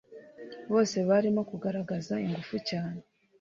bose barimo kugargaza ingufu cyane